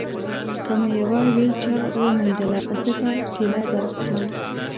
که مو یوه ویلچېر وموندله، زه به ټېله درکړم.